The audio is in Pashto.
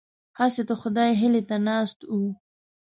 هسې د خدای هیلې ته ناست وو.